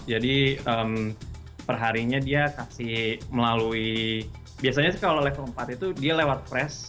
jadi perharinya dia kasih melalui biasanya kalau level empat itu dia lewat press